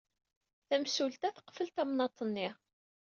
Tamsulta teqfel tamnaḍt-nni.